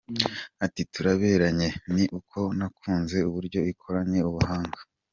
Ati” Turaberanye ni uko nakunze uburyo ikoranye ubuhanga.